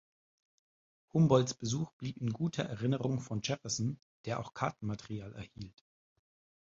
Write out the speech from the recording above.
Humboldts Besuch blieb in guter Erinnerung von Jefferson, der auch Kartenmaterial erhielt.